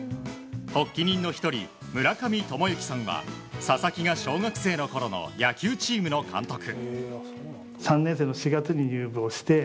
発起人の１人、村上知幸さんは佐々木が小学生のころの野球チームの監督。